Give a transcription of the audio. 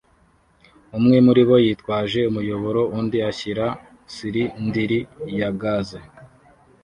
Umwe muribo yitwaje umuyoboro undi ashyira silindiri ya gaze